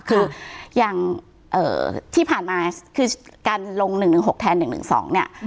คืออย่างที่ผ่านมาคือการลง๑๑๖แทน๑๑๒เนี่ย